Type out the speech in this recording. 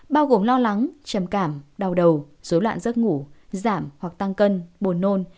bao gồm lo lắng trầm cảm đau đầu rối loạn giấc ngủ giảm hoặc tăng cân bồn nôn